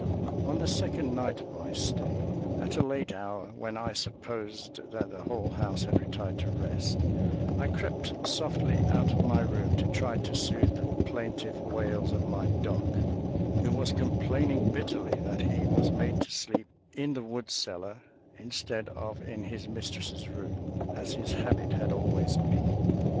On the second night of my stay, at a late hour, when I supposed that the whole house had retired to rest, I crept softly out of my room to try to soothe the plaintive wails of my dog, who was complaining bitterly that he was made to sleep in the wood cellar instead of in his mistress's room, as his habit had always been.